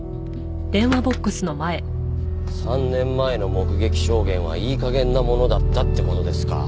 ３年前の目撃証言はいい加減なものだったって事ですか。